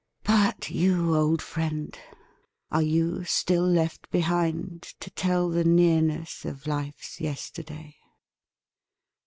But you old friend, are you still left behind To tell the nearness of life's yesterday